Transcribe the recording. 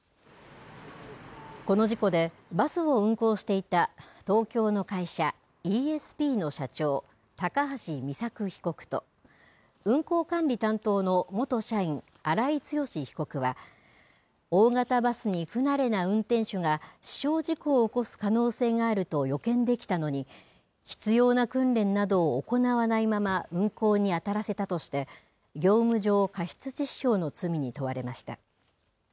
この事故でバスを運行していた東京の会社イーエスピーの社長高橋美作被告と運行管理担当の元社員荒井強被告は大型バスに不慣れな運転手が死傷事故を起こす可能性があると予見できたのに必要な訓練などを行わないまま運行に当たらせたとして業務上過失致死傷の罪に問われました。